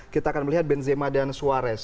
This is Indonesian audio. kita akan melihat benzema dan suarez